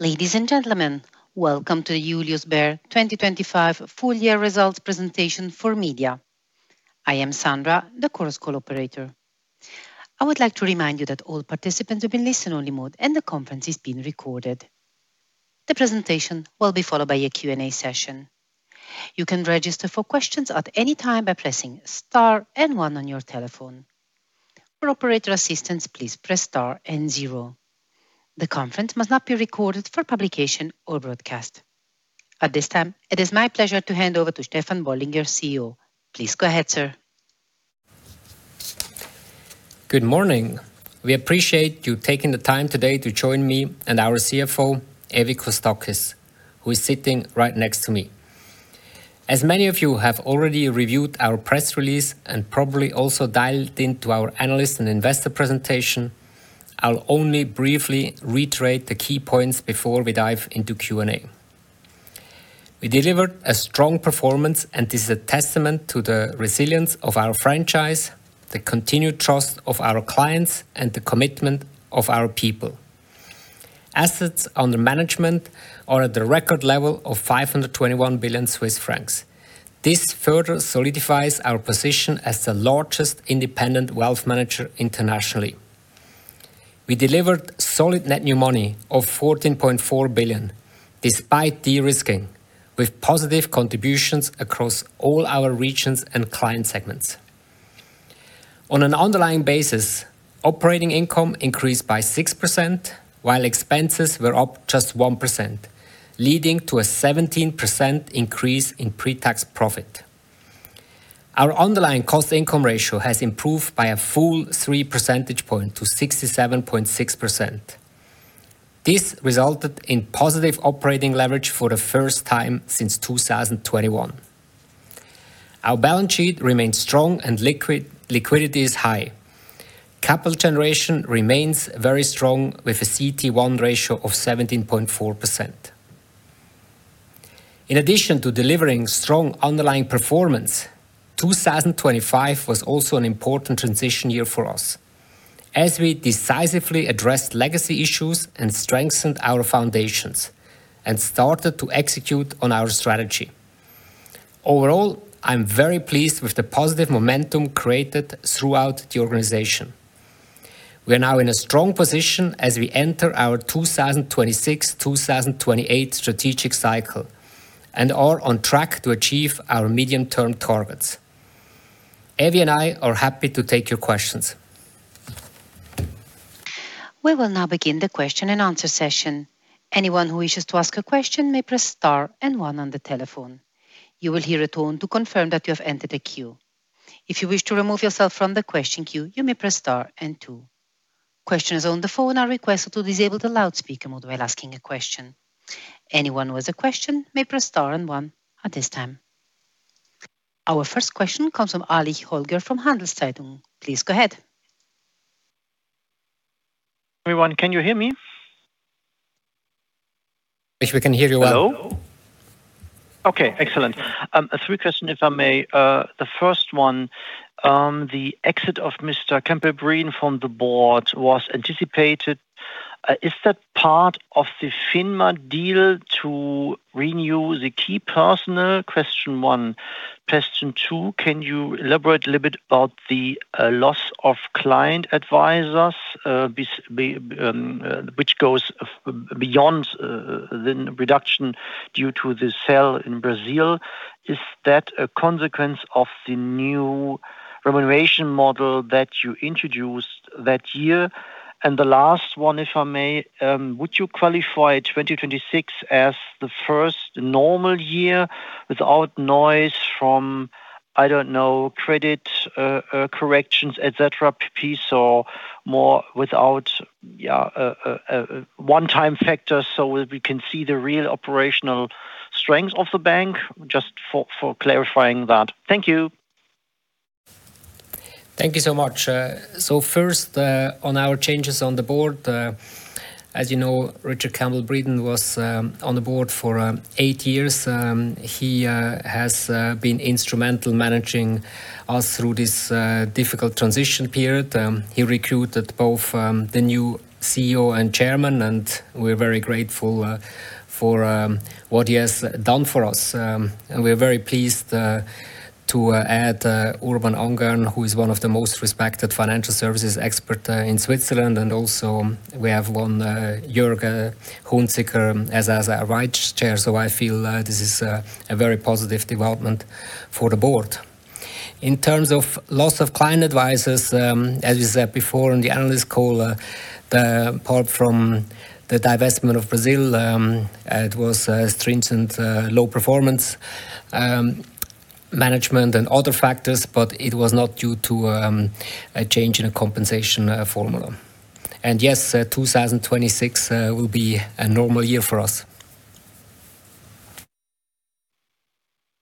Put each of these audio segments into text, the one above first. Ladies and gentlemen, welcome to the Julius Baer 2025 full year results presentation for media. I am Sandra, the Chorus Call operator. I would like to remind you that all participants will be in listen-only mode, and the conference is being recorded. The presentation will be followed by a Q&A session. You can register for questions at any time by pressing star and one on your telephone. For operator assistance, please press star and zero. The conference must not be recorded for publication or broadcast. At this time, it is my pleasure to hand over to Stefan Bollinger, CEO. Please go ahead, sir. Good morning. We appreciate you taking the time today to join me and our CFO, Evie Kostakis, who is sitting right next to me. As many of you have already reviewed our press release, and probably also dialed into our analyst and investor presentation, I'll only briefly reiterate the key points before we dive into Q&A. We delivered a strong performance, and this is a testament to the resilience of our franchise, the continued trust of our clients, and the commitment of our people. Assets under management are at the record level of 521 billion Swiss francs. This further solidifies our position as the largest independent wealth manager internationally. We delivered solid net new money of 14.4 billion, despite de-risking, with positive contributions across all our regions and client segments. On an underlying basis, operating income increased by 6%, while expenses were up just 1%, leading to a 17% increase in pre-tax profit. Our underlying cost-income ratio has improved by a full three percentage points to 67.6%. This resulted in positive operating leverage for the first time since 2021. Our balance sheet remains strong and liquid. Liquidity is high. Capital generation remains very strong, with a CET1 ratio of 17.4%. In addition to delivering strong underlying performance, 2025 was also an important transition year for us, as we decisively addressed legacy issues and strengthened our foundations, and started to execute on our strategy. Overall, I'm very pleased with the positive momentum created throughout the organization. We are now in a strong position as we enter our 2026-2028 strategic cycle, and are on track to achieve our medium-term targets. Evie and I are happy to take your questions. We will now begin the question and answer session. Anyone who wishes to ask a question may press star and one on the telephone. You will hear a tone to confirm that you have entered a queue. If you wish to remove yourself from the question queue, you may press star and two. Questions on the phone are requested to disable the loudspeaker mode while asking a question. Anyone who has a question may press star and one at this time. Our first question comes from Holger Zschäpitz from Handelszeitung. Please go ahead. Everyone, can you hear me? Yes, we can hear you well. Hello? Okay, excellent. Three question, if I may. The first one, the exit of Mr. Campbell-Breeden from the board was anticipated. Is that part of the FINMA deal to renew the key personnel? Question one. Question two: Can you elaborate a little bit about the, loss of client advisors, which goes beyond, the reduction due to the sale in Brazil? Is that a consequence of the new remuneration model that you introduced that year? And the last one, if I may, would you qualify 2026 as the first normal year without noise from, I don't know, credit, corrections, et cetera, PP, so more without, yeah, a one-time factor, so we can see the real operational strength of the bank? Just for clarifying that. Thank you. Thank you so much. So first, on our changes on the board, as you know, Richard Campbell-Breeden was on the board for eight years. He has been instrumental managing us through this difficult transition period. He recruited both the new CEO and Chairman, and we're very grateful for what he has done for us. And we are very pleased to add Urban Angehrn, who is one of the most respected financial services expert in Switzerland, and also we have Jürg Hunziker, as a vice chair, so I feel this is a very positive development for the board. In terms of loss of client advisors, as we said before in the analyst call, the part from the divestment of Brazil, it was stringent low performance management and other factors, but it was not due to a change in a compensation formula. And yes, 2026 will be a normal year for us.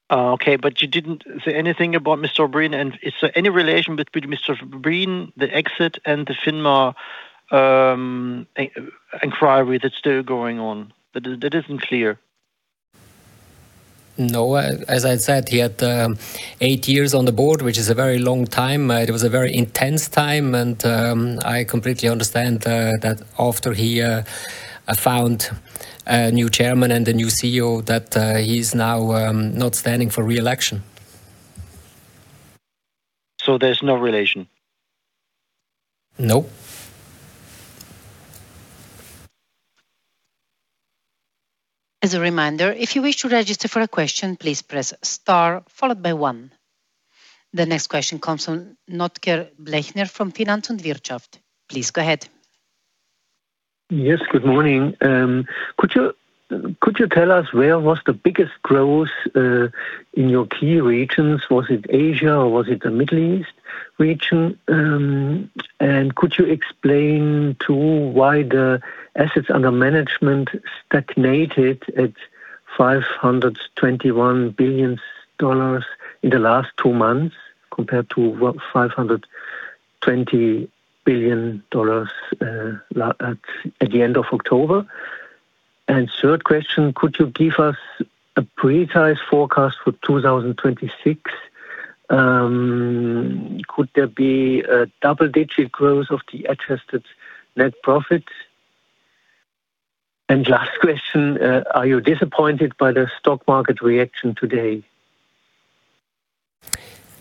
Okay, but you didn't say anything about Mr. Breeden, and is there any relation between Mr. Breeden, the exit, and the FINMA inquiry that's still going on? That is, that isn't clear. ... No, as I said, he had eight years on the board, which is a very long time. It was a very intense time, and I completely understand that after he found a new chairman and a new CEO, that he's now not standing for re-election. There's no relation? Nope. As a reminder, if you wish to register for a question, please press Star followed by one. The next question comes from Notker Blechner from Finanz und Wirtschaft. Please go ahead. Yes, good morning. Could you, could you tell us where was the biggest growth in your key regions? Was it Asia or was it the Middle East region? And could you explain, too, why the assets under management stagnated at $521 billion in the last two months, compared to, what, $520 billion at the end of October? And third question: Could you give us a precise forecast for 2026? Could there be a double-digit growth of the adjusted net profit? And last question: Are you disappointed by the stock market reaction today?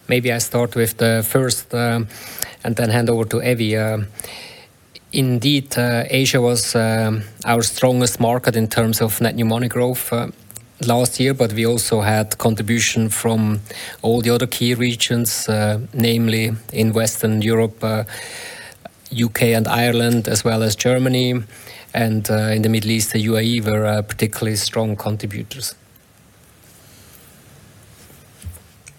Maybe I start with the first, and then hand over to Evi. Indeed, Asia was our strongest market in terms of net new money growth last year, but we also had contribution from all the other key regions, namely in Western Europe, UK and Ireland, as well as Germany, and in the Middle East, the UAE were particularly strong contributors.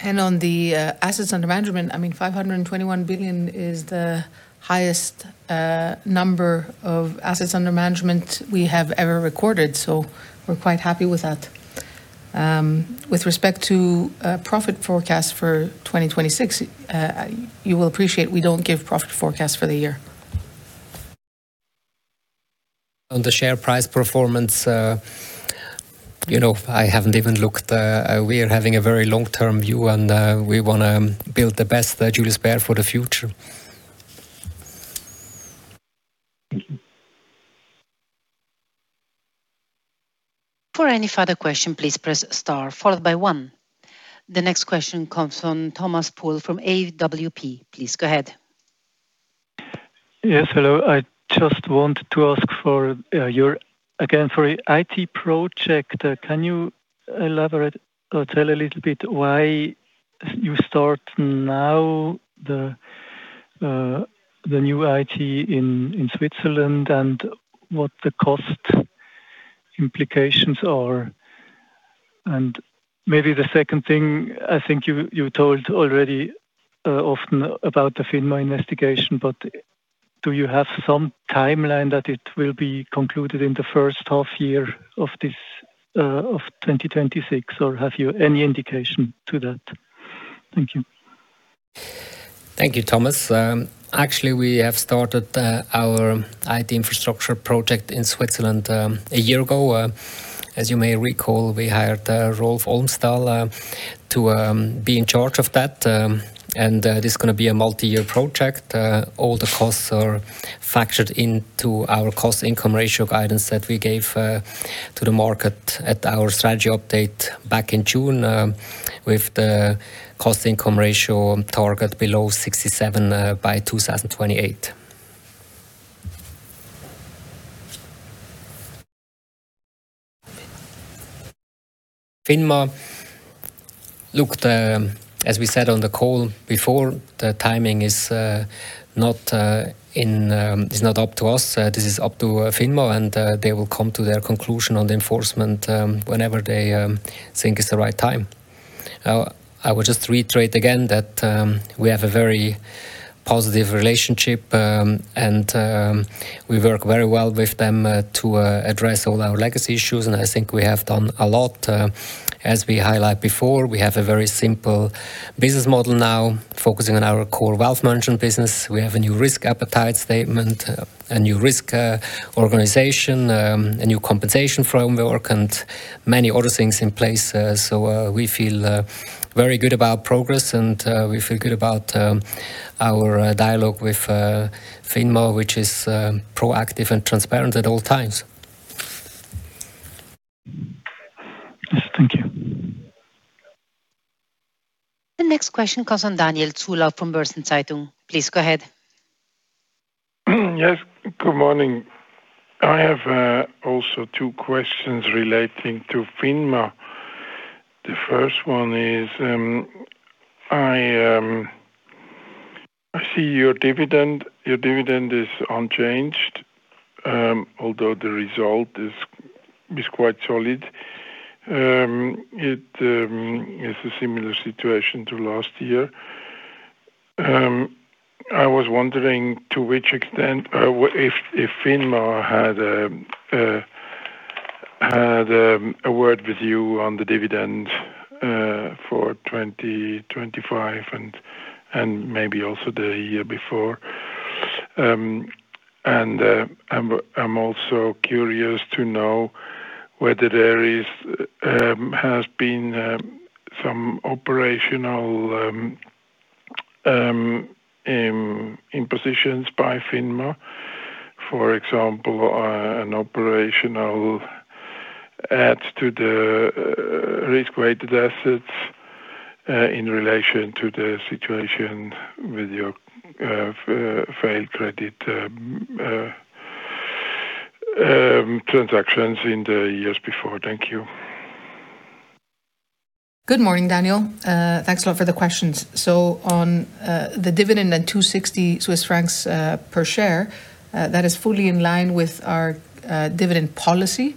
On the assets under management, I mean, 521 billion is the highest number of assets under management we have ever recorded, so we're quite happy with that. With respect to profit forecast for 2026, you will appreciate we don't give profit forecast for the year. On the share price performance, you know, I haven't even looked. We are having a very long-term view, and we wanna build the best Julius Baer for the future. Thank you. For any further question, please press Star followed by one. The next question comes from Thomas Poole from AWP. Please go ahead. Yes, hello. I just wanted to ask for your... Again, for your IT project, can you elaborate or tell a little bit why you start now, the new IT in Switzerland and what the cost implications are? And maybe the second thing, I think you told already often about the FINMA investigation, but do you have some timeline that it will be concluded in the first half year of this of 2026, or have you any indication to that? Thank you. Thank you, Thomas. Actually, we have started our IT infrastructure project in Switzerland a year ago. As you may recall, we hired Rolf Olmesdahl to be in charge of that, and this is gonna be a multi-year project. All the costs are factored into our cost-income ratio guidance that we gave to the market at our strategy update back in June, with the cost-income ratio target below 67 by 2028. FINMA, look, as we said on the call before, the timing is not in... It's not up to us. This is up to FINMA, and they will come to their conclusion on the enforcement whenever they think it's the right time. I would just reiterate again that we have a very positive relationship, and we work very well with them to address all our legacy issues, and I think we have done a lot. As we highlight before, we have a very simple business model now, focusing on our core wealth management business. We have a new risk appetite statement, a new risk organization, a new compensation framework, and many other things in place. So we feel very good about progress, and we feel good about our dialogue with FINMA, which is proactive and transparent at all times. Yes, thank you. The next question comes on Daniel Zulauf from Börsen-Zeitung. Please go ahead. Yes, good morning. I have also two questions relating to FINMA. The first one is, I see your dividend. Your dividend is unchanged, although the result is quite solid. It is a similar situation to last year. I was wondering, to which extent, if FINMA had a word with you on the dividend for 2025 and maybe also the year before? And I'm also curious to know whether there has been some operational impositions by FINMA. For example, an operational add to the risk-weighted assets, in relation to the situation with your failed credit transactions in the years before. Thank you. Good morning, Daniel. Thanks a lot for the questions. So on the dividend at 260 Swiss francs per share, that is fully in line with our dividend policy,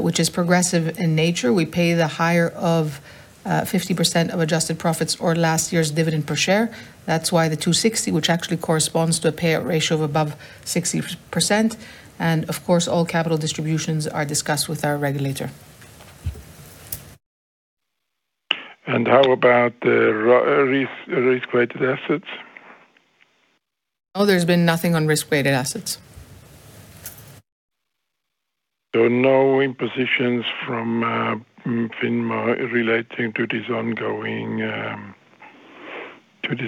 which is progressive in nature. We pay the higher of 50% of adjusted profits or last year's dividend per share. That's why the 260, which actually corresponds to a payout ratio of above 60%, and of course, all capital distributions are discussed with our regulator. How about the risk-weighted assets? No, there's been nothing on risk-weighted assets. No impositions from FINMA relating to this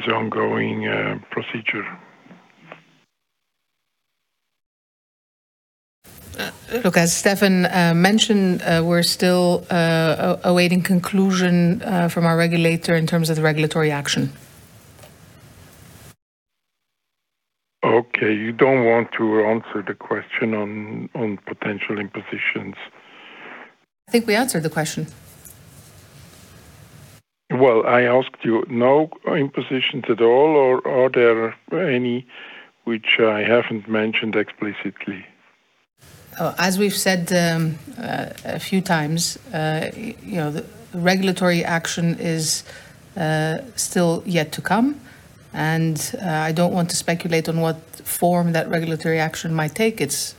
ongoing procedure? Look, as Stefan mentioned, we're still awaiting conclusion from our regulator in terms of the regulatory action. Okay. You don't want to answer the question on potential impositions. I think we answered the question. Well, I asked you, no impositions at all, or are there any which I haven't mentioned explicitly? As we've said a few times, you know, the regulatory action is still yet to come, and I don't want to speculate on what form that regulatory action might take. It's.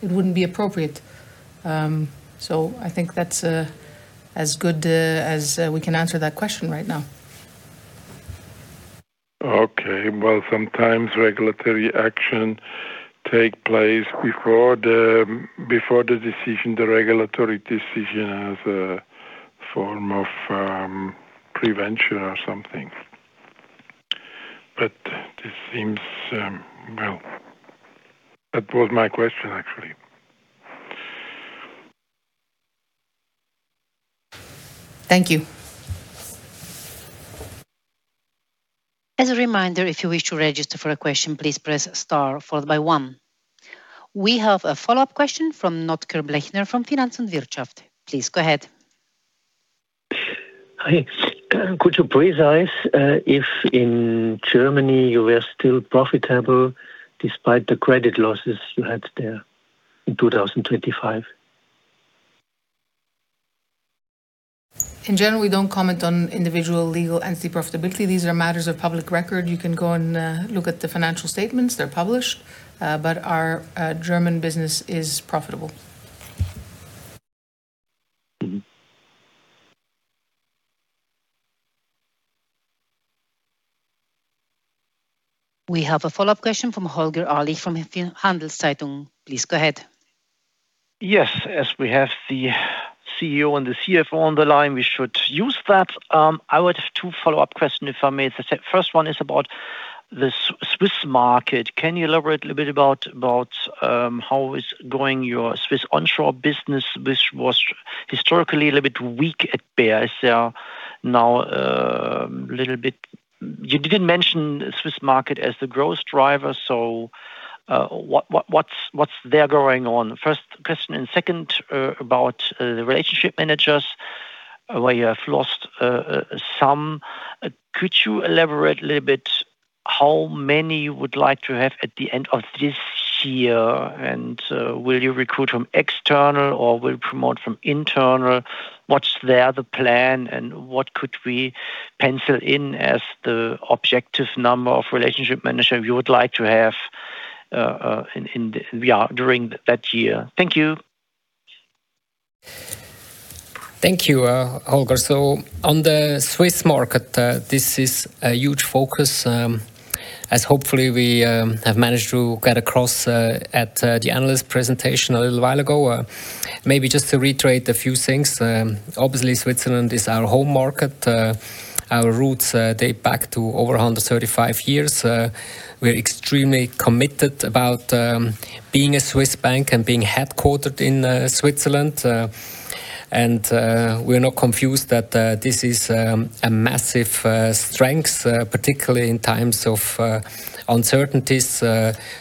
It wouldn't be appropriate. So I think that's as good as we can answer that question right now. Okay. Well, sometimes regulatory action take place before the, before the decision, the regulatory decision, as a form of, prevention or something. But this seems... Well, that was my question, actually. Thank you. As a reminder, if you wish to register for a question, please press star followed by one. We have a follow-up question from Notker Blechner from Finanz und Wirtschaft. Please go ahead. Hi. Could you specify if in Germany you were still profitable despite the credit losses you had there in 2025? In general, we don't comment on individual legal entity profitability. These are matters of public record. You can go and look at the financial statements, they're published, but our German business is profitable. Mm-hmm. We have a follow-up question from Holger Zschäpitz from Handelszeitung. Please go ahead. Yes, as we have the CEO and the CFO on the line, we should use that. I would have two follow-up question, if I may. The first one is about the Swiss market. Can you elaborate a little bit about how is going your Swiss onshore business, which was historically a little bit weak at Baer? Is there now a little bit... You didn't mention Swiss market as the growth driver, so, what, what's there going on? First question, and second, about the relationship managers, where you have lost some. Could you elaborate a little bit how many you would like to have at the end of this year? And, will you recruit from external or will you promote from internal? What's there, the plan, and what could we pencil in as the objective number of relationship manager you would like to have, in during that year? Thank you. Thank you, Holger. So on the Swiss market, this is a huge focus, as hopefully we have managed to get across, at the analyst presentation a little while ago. Maybe just to reiterate a few things, obviously, Switzerland is our home market. Our roots date back to over 135 years. We're extremely committed about being a Swiss bank and being headquartered in Switzerland. And we're not confused that this is a massive strength, particularly in times of uncertainties.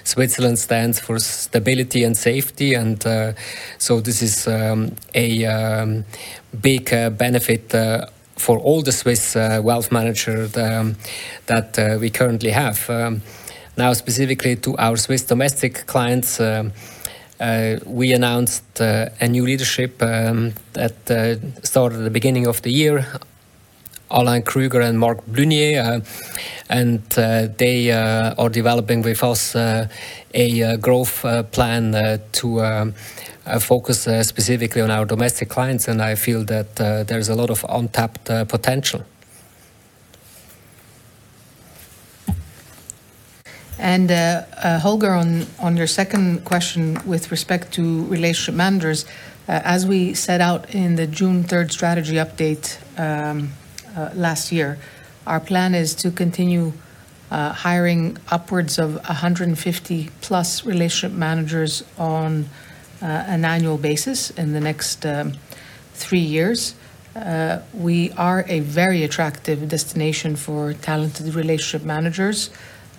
Switzerland stands for stability and safety, and so this is a big benefit for all the Swiss wealth manager that we currently have. Now, specifically to our Swiss domestic clients, we announced a new leadership at the start of the beginning of the year, Alain Krüger and Marc Blunier, and they are developing with us a growth plan to focus specifically on our domestic clients, and I feel that there's a lot of untapped potential. ... And, Holger, on your second question with respect to relationship managers, as we set out in the June third strategy update last year, our plan is to continue hiring upwards of 150+ relationship managers on an annual basis in the next three years. We are a very attractive destination for talented relationship managers.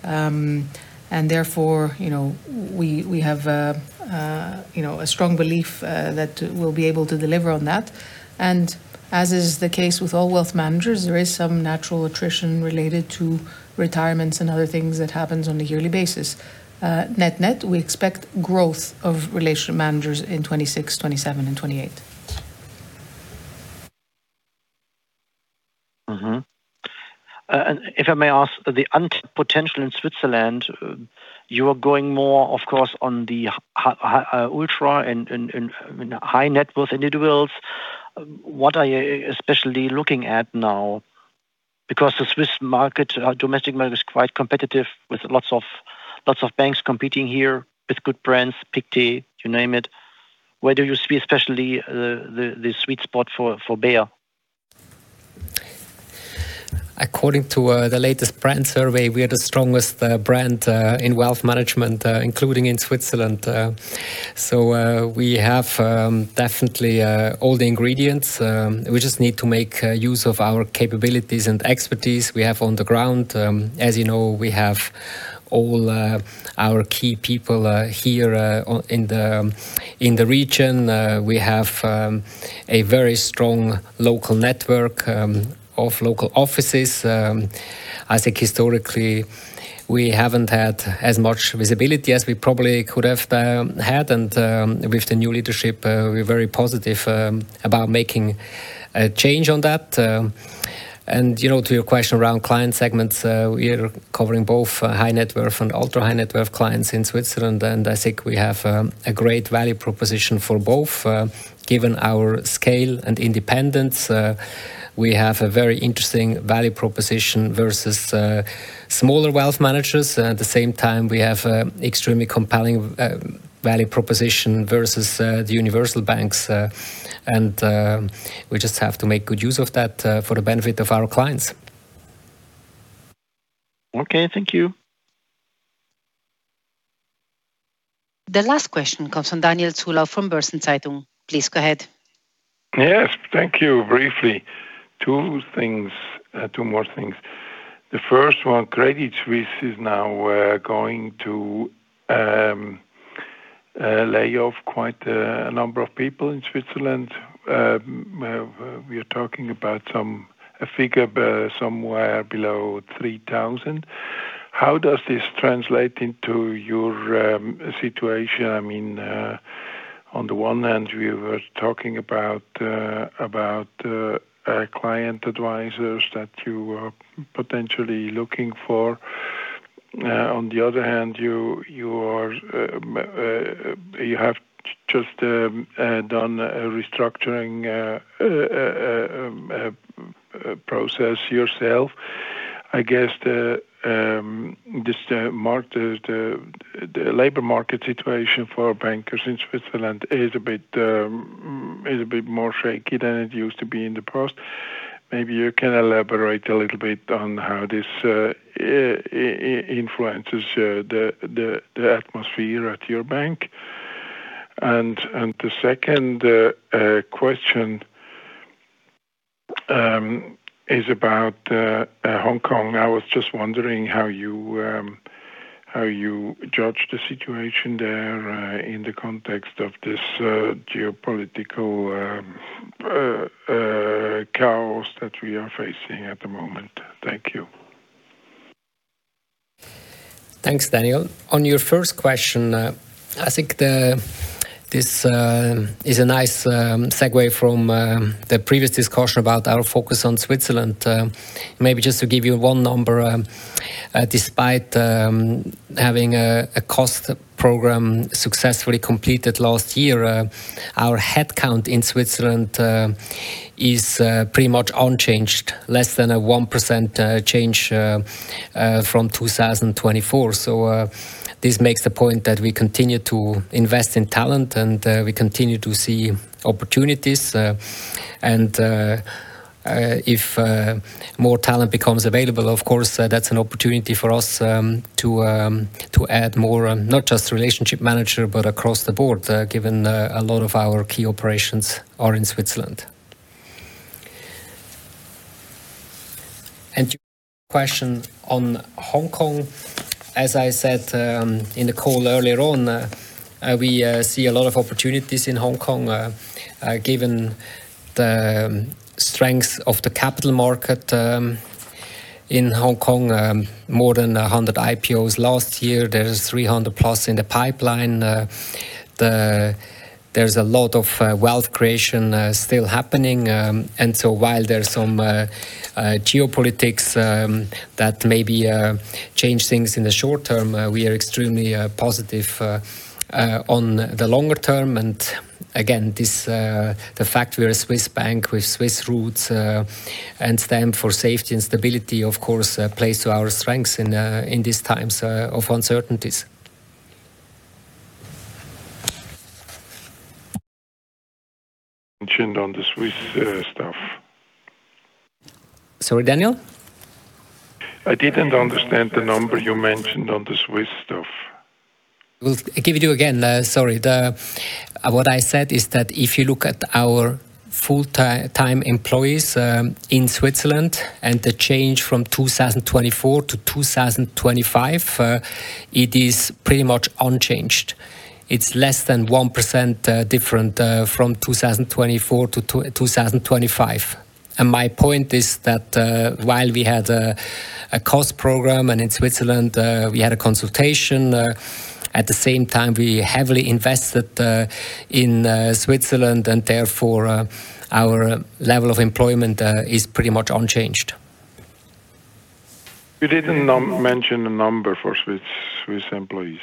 And therefore, you know, we have a strong belief that we'll be able to deliver on that. And as is the case with all wealth managers, there is some natural attrition related to retirements and other things that happens on a yearly basis. Net, we expect growth of relationship managers in 2026, 2027, and 2028. Mm-hmm. And if I may ask, the untapped potential in Switzerland, you are going more, of course, on the ultra and, I mean, high net worth individuals. What are you especially looking at now? Because the Swiss market, our domestic market, is quite competitive, with lots of banks competing here, with good brands, Pictet, you name it. Where do you see especially the sweet spot for Baer? According to the latest brand survey, we are the strongest brand in wealth management, including in Switzerland. So we have definitely all the ingredients. We just need to make use of our capabilities and expertise we have on the ground. As you know, we have all our key people here in the region. We have a very strong local network of local offices. I think historically, we haven't had as much visibility as we probably could have had, and with the new leadership, we're very positive about making a change on that. And, you know, to your question around client segments, we are covering both high net worth and ultra high net worth clients in Switzerland, and I think we have a great value proposition for both, given our scale and independence. We have a very interesting value proposition versus smaller wealth managers. At the same time, we have extremely compelling value proposition versus the universal banks, and we just have to make good use of that for the benefit of our clients. Okay, thank you. The last question comes from Daniel Zulauf from Börsen-Zeitung. Please go ahead. Yes, thank you. Briefly, two things, two more things. The first one, Credit Suisse is now going to lay off quite a number of people in Switzerland. We are talking about a figure somewhere below 3,000. How does this translate into your situation? I mean, on the one hand, we were talking about client advisors that you are potentially looking for. On the other hand, you have just done a restructuring process yourself. I guess this, the market, the labor market situation for bankers in Switzerland is a bit more shaky than it used to be in the past. Maybe you can elaborate a little bit on how this influences the atmosphere at your bank. And the second question is about Hong Kong. I was just wondering how you judge the situation there in the context of this geopolitical chaos that we are facing at the moment. Thank you. Thanks, Daniel. On your first question, I think this is a nice segue from the previous discussion about our focus on Switzerland. Maybe just to give you one number, despite having a cost program successfully completed last year, our headcount in Switzerland is pretty much unchanged, less than a 1% change from 2024. So, this makes the point that we continue to invest in talent, and we continue to see opportunities, and if more talent becomes available, of course, that's an opportunity for us to add more, not just relationship manager, but across the board, given a lot of our key operations are in Switzerland. And question on Hong Kong, as I said, in the call earlier on, we see a lot of opportunities in Hong Kong, given the strength of the capital market, in Hong Kong, more than 100 IPOs last year. There is 300 plus in the pipeline. There's a lot of wealth creation still happening. And so while there's some geopolitics that maybe change things in the short term, we are extremely positive on the longer term, and again, this, the fact we're a Swiss bank with Swiss roots, and stand for safety and stability, of course, plays to our strengths in these times of uncertainties. Mentioned on the Swiss stuff. Sorry, Daniel? I didn't understand the number you mentioned on the Swiss stuff. I'll give it to you again. Sorry. The, what I said is that if you look at our full-time employees in Switzerland, and the change from 2024 to 2025, it is pretty much unchanged. It's less than 1% different from 2024 to 2025. And my point is that, while we had a cost program, and in Switzerland, we had a consultation, at the same time, we heavily invested in Switzerland, and therefore, our level of employment is pretty much unchanged. You didn't mention a number for Swiss employees.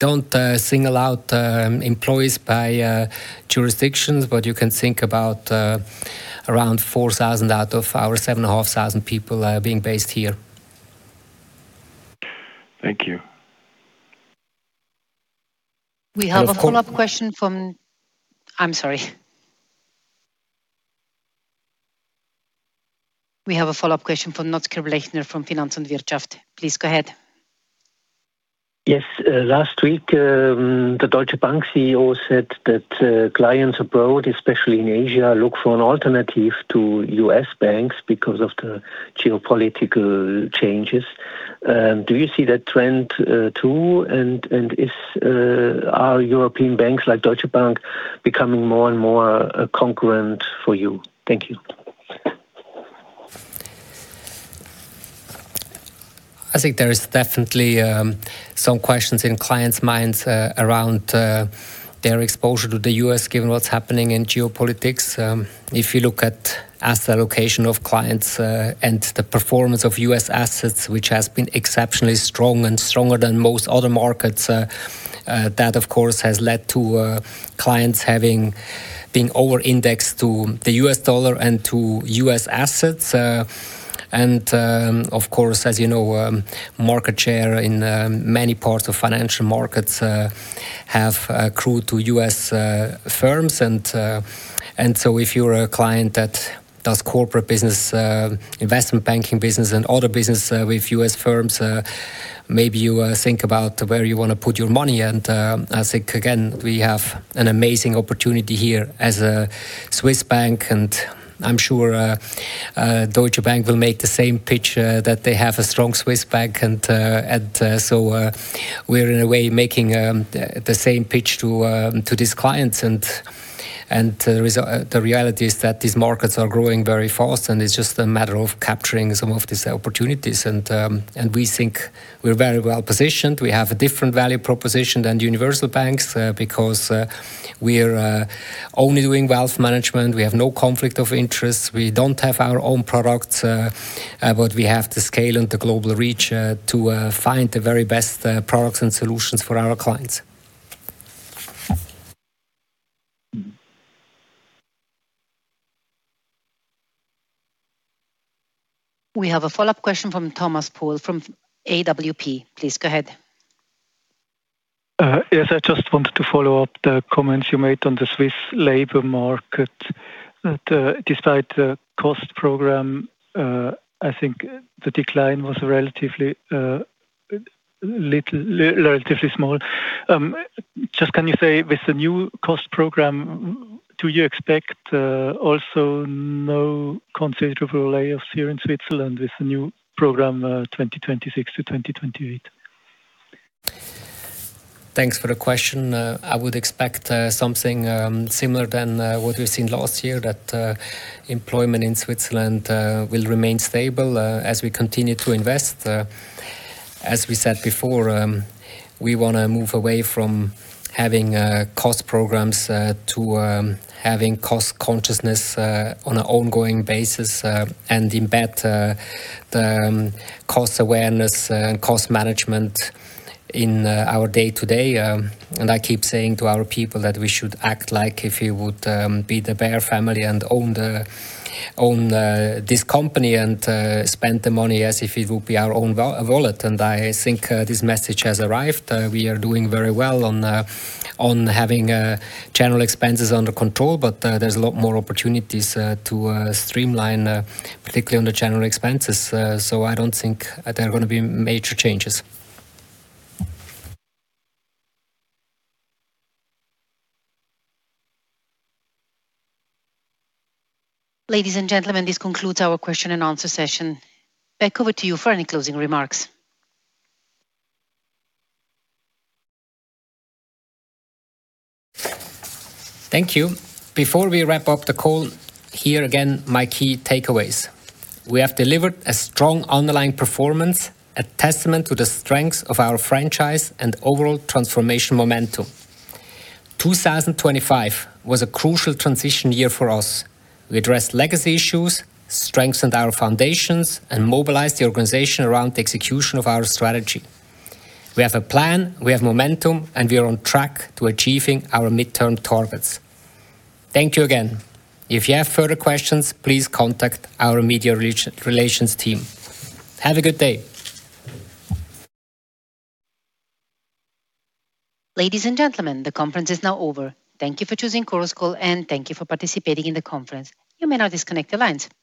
Don't single out employees by jurisdictions, but you can think about around 4,000 out of our 7,500 people being based here. Thank you. We have a follow-up question from... I'm sorry. We have a follow-up question from Notker Blechner from Finanz und Wirtschaft. Please go ahead. Yes. Last week, the Deutsche Bank CEO said that clients abroad, especially in Asia, look for an alternative to U.S. banks because of the geopolitical changes. Do you see that trend, too, and are European banks like Deutsche Bank becoming more and more a competitor for you? Thank you. I think there is definitely some questions in clients' minds around their exposure to the U.S., given what's happening in geopolitics. If you look at asset allocation of clients and the performance of U.S. assets, which has been exceptionally strong and stronger than most other markets, that, of course, has led to clients having been over-indexed to the U.S. dollar and to U.S. assets. And, of course, as you know, market share in many parts of financial markets have accrued to U.S. firms. And so if you're a client that does corporate business, investment banking business, and other business with U.S. firms, maybe you think about where you wanna put your money. I think, again, we have an amazing opportunity here as a Swiss bank, and I'm sure Deutsche Bank will make the same pitch that they have a strong Swiss bank. So we're in a way making the same pitch to these clients. The reality is that these markets are growing very fast, and it's just a matter of capturing some of these opportunities. We think we're very well positioned. We have a different value proposition than universal banks because we're only doing wealth management. We have no conflict of interest. We don't have our own products, but we have the scale and the global reach to find the very best products and solutions for our clients. We have a follow-up question from Thomas Poole from AWP. Please go ahead. Yes, I just wanted to follow up the comments you made on the Swiss labor market, that, despite the cost program, I think the decline was relatively little, relatively small. Just, can you say, with the new cost program, do you expect also no considerable layoffs here in Switzerland with the new program, 2026-2028? Thanks for the question. I would expect something similar than what we've seen last year, that employment in Switzerland will remain stable as we continue to invest. As we said before, we wanna move away from having cost programs to having cost consciousness on an ongoing basis and embed the cost awareness and cost management in our day-to-day. And I keep saying to our people that we should act like if we would be the Baer family and own this company and spend the money as if it would be our own wallet. And I think this message has arrived. We are doing very well on having general expenses under control, but there's a lot more opportunities to streamline, particularly on the general expenses. So I don't think there are gonna be major changes. Ladies and gentlemen, this concludes our question and answer session. Back over to you for any closing remarks. Thank you. Before we wrap up the call, here again, my key takeaways. We have delivered a strong underlying performance, a testament to the strengths of our franchise and overall transformation momentum. 2025 was a crucial transition year for us. We addressed legacy issues, strengthened our foundations, and mobilized the organization around the execution of our strategy. We have a plan, we have momentum, and we are on track to achieving our midterm targets. Thank you again. If you have further questions, please contact our media relations team. Have a good day. Ladies and gentlemen, the conference is now over. Thank you for choosing Chorus Call, and thank you for participating in the conference. You may now disconnect the lines. Goodbye.